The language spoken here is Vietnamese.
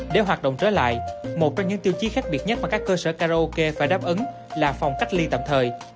để hoạt động trở lại một trong những tiêu chí khác biệt nhất mà các cơ sở karaoke phải đáp ứng là phòng cách ly tạm thời